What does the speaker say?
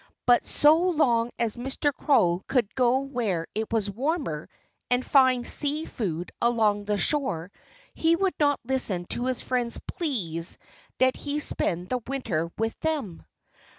But so long as Mr. Crow could go where it was warmer, and find sea food along the shore, he would not listen to his friends' pleas that he spend the winter with them.